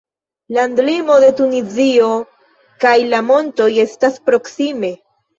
Landlimo de Tunizio kaj la montoj estas proksime.